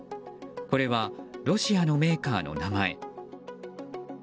これはロシアのメーカーの名前。